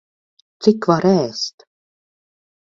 Cik var ēst!